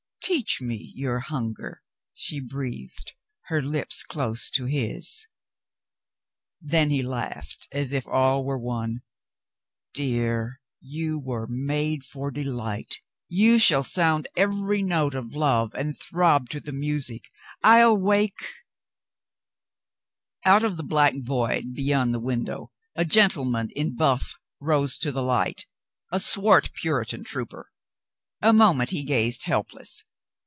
"Teach me your hunger," she breathed, her lips close to his. Then he laughed as if all were won. "Dear, you were made for delight. You shall sound every note of love, and throb to the music. I'll wake —" LADY LEPE DISCARDS PETTICOATS 45 Out of the black void beyond the window a gentle man in buff rose to the light, a swart Puritan trooper. A moment he gazed helpless.